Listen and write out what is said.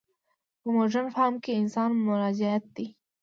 په مډرن فهم کې انسان مرجعیت دی.